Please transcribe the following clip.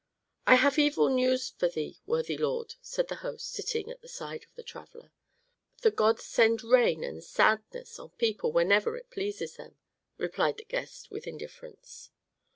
"I have evil news for thee, worthy lord," said the host, sitting at the side of the traveller. "The gods send rain and sadness on people whenever it pleases them," replied the guest, with indifference.